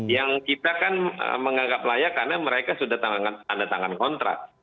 yang kita kan menganggap layak karena mereka sudah tanda tangan kontrak